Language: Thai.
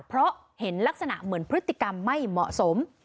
เพราะเห็นลักษณะเหมือนพฤติกรรมไม่เหมาะสม